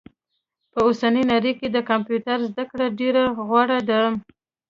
په اوسني نړئ کي د کمپيوټر زده کړه ډيره غوره ده